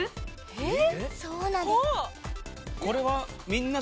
えっ！？